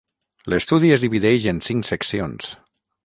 L'estudi es divideix en cinc seccions.